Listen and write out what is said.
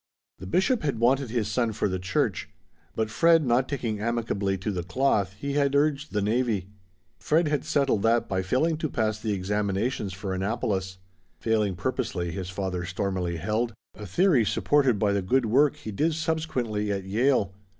The Bishop had wanted his son for the church; but Fred not taking amicably to the cloth, he had urged the navy. Fred had settled that by failing to pass the examinations for Annapolis. Failing purposely, his father stormily held; a theory supported by the good work he did subsequently at Yale.